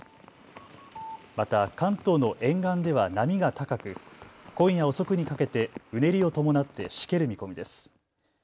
また関東の沿岸では波が高く、今夜遅くにかけて、うねりを伴ってしける見込みです。